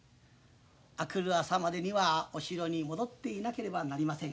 明くる朝までにはお城に戻っていなければなりません。